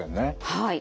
はい。